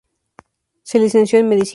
Se licenció en medicina.